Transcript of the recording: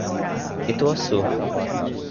Ituaçu